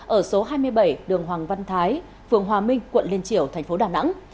ở số hai mươi bảy đường hoàng văn thái phường hòa minh quận liên triểu thành phố đà nẵng